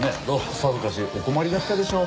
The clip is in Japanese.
さぞかしお困りだったでしょう。